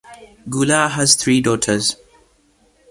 Gula has three daughters.